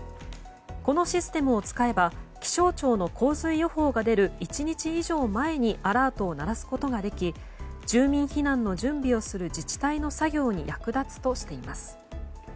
このシステムを使えば気象庁の洪水予報が出る１日以上前にアラートを鳴らすことができ住民避難の準備をする自治体の作業に役立つとしています。